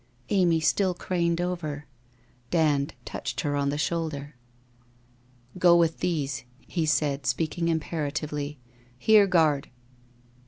Amy still craned over. Dand touched her on the shoulder. Mio with these,' he raid speaking imperatively. 'Here, Guard!'